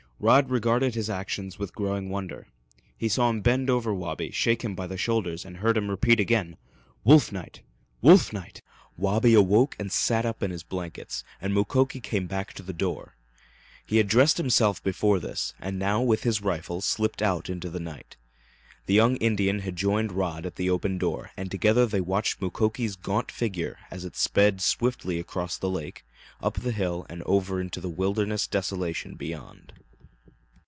Rod regarded his actions with growing wonder. He saw him bend over Wabi, shake him by the shoulders, and heard him repeat again, "Wolf night! Wolf night!" Wabi awoke and sat up in his blankets, and Mukoki came back to the door. He had dressed himself before this, and now, with his rifle, slipped out into the night. The young Indian had joined Rod at the open door and together they watched Mukoki's gaunt figure as it sped swiftly across the lake, up the hill and over into the wilderness desolation beyond.